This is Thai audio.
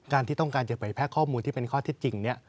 การที่ต้องการจะไปแพลกข้อมูลที่เป็นข้อที่จริง